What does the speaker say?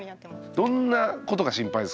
どんなことが心配ですか？